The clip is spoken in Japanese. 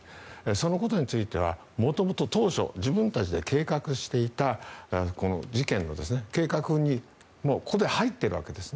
そのことについては元々当初自分たちで計画していた計画に入っているわけです。